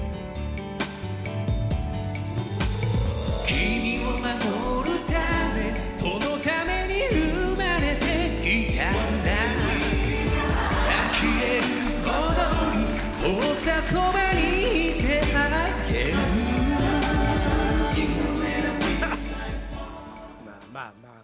君を守るためそのために生まれてきたんだあきれるほどにそうさそばにいてあげるまあまあ。